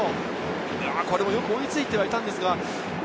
よく追いついてはいたんですが。